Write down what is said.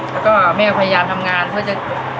แล้วก็แม่พยายามทำงานเพื่อจะ